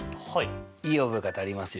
いい覚え方ありますよ。